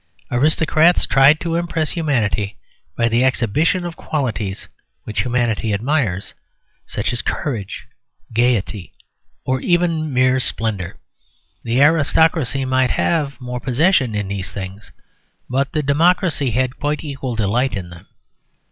Aristocrats tried to impress humanity by the exhibition of qualities which humanity admires, such as courage, gaiety, or even mere splendour. The aristocracy might have more possession in these things, but the democracy had quite equal delight in them.